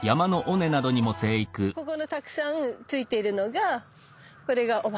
ここのたくさんついているのがこれが雄花。